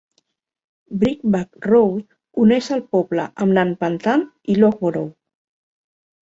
Breakback Road uneix el poble amb Nanpantan i Loughborough.